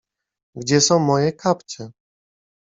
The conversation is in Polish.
Gdzie są moje kapcie?